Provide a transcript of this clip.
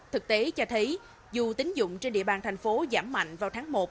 thực tế cho thấy dù tính dụng trên địa bàn thành phố giảm mạnh vào tháng một